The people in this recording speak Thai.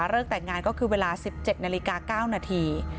เริ่งแต่งงานเป็นเวลา๑๗นาฬิกา๙นาที